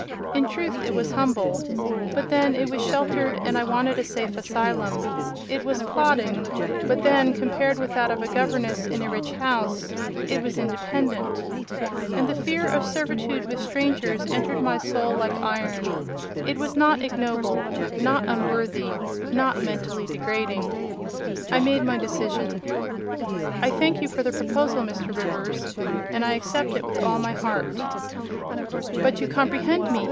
In truth it was humble—but then it was sheltered, and I wanted a safe asylum: it was plodding—but then, compared with that of a governess in a rich house, it was independent; and the fear of servitude with strangers entered my soul like iron: it was not ignoble—not unworthy—not mentally degrading, I made my decision. "I thank you for the proposal, Mr. Rivers, and I accept it with all my heart." "But you comprehend me?"